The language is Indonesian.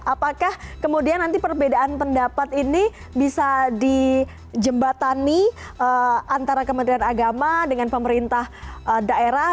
apakah kemudian nanti perbedaan pendapat ini bisa dijembatani antara kementerian agama dengan pemerintah daerah